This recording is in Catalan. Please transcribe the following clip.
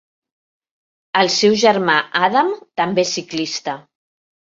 El seu germà Adam, també és ciclista.